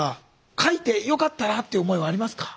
書いてよかったなっていう思いはありますか？